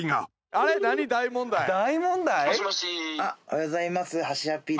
あっおはようございますはっしー